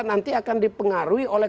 nanti akan dipengaruhi oleh